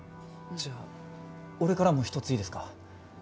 じゃあ俺からも１ついいですか？